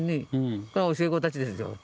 これ教え子たちですよ。